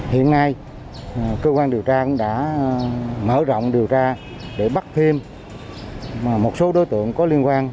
hiện nay cơ quan điều tra cũng đã mở rộng điều tra để bắt thêm một số đối tượng có liên quan